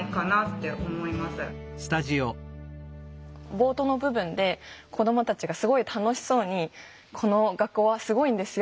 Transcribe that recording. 冒頭の部分で子どもたちがすごい楽しそうに「この学校はすごいんですよ。